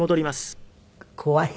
怖い。